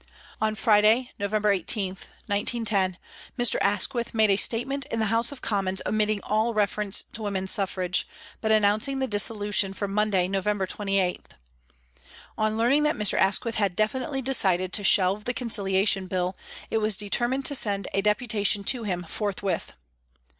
On Friday, November 18, 1910, Mr. Asquith made a statement in the House of Commons omitting all reference to Woman Suffrage, but announcing the Dissolution for Monday, November 28. On learning that Mr. Asquith had definitely decided to shelve the Conciliation Bill, it was determined to send a Deputation to him forthwith.